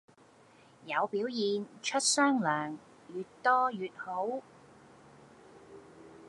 有表現出雙糧，越多越好!